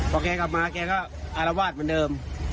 พอแกกลับมาแกก็อารวาสเหมือนเดิม